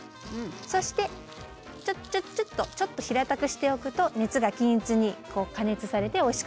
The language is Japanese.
そしてちょちょちょっとちょっと平たくしておくと熱が均一に加熱されておいしく作ることができます。